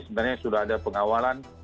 sebenarnya sudah ada pengawalan